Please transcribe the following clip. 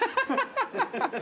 ハハハハ！